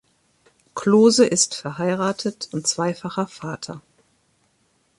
Klose ist verheiratet und zweifacher Vater.